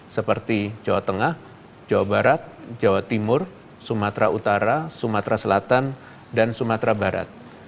seperti jawa tengah jawa barat jawa timur sumatera utara sumatera selatan dan sumatera barat